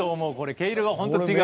毛色が本当違うから。